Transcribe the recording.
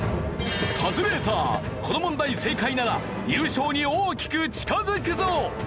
カズレーザーこの問題正解なら優勝に大きく近づくぞ！